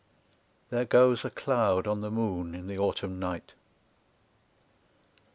There goes A cloud on the moon in the autumn night.